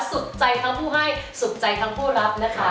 สุดใจทั้งผู้ให้สุดใจทั้งผู้รับนะคะ